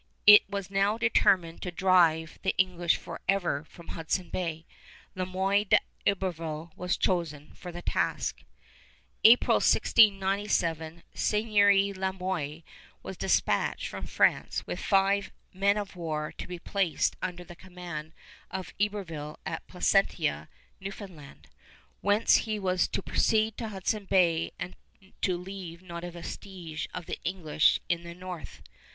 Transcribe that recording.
It was now determined to drive the English forever from Hudson Bay. Le Moyne d'Iberville was chosen for the task. April, 1697, Sérigny Le Moyne was dispatched from France with five men of war to be placed under the command of Iberville at Placentia, Newfoundland, whence he was "to proceed to Hudson Bay and to leave not a vestige of the English in the North."